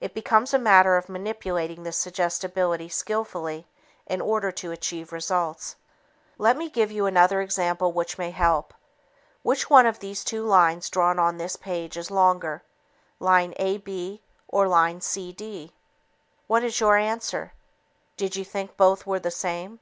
It becomes a matter of manipulating this suggestibility skillfully in order to achieve results. Let me give you another example which may help. Which one of the two lines drawn on this page is longer? Line AB or line CD? What is your answer? Did you think both were the same?